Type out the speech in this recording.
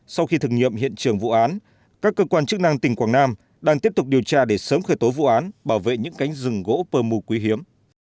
sau khi thực nghiệm hiện trường vụ án các cơ quan chức năng tỉnh quảng nam đang tiếp tục điều tra để sớm khởi tố vụ án bảo vệ những cánh rừng gỗ pơ mu quý hiếm